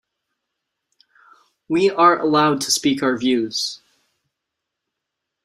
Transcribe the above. We are allowed to speak our views.